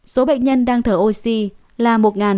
số bệnh nhân đang thở oxy là một bốn trăm chín mươi ba